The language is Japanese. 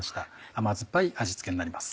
甘酸っぱい味付けになります。